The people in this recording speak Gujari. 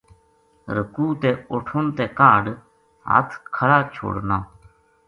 رکوع تے اٹھن تے کاہڈ ہتھ کھلا چھوڑنا۔